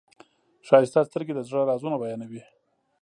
ښایسته سترګې د زړه رازونه بیانوي.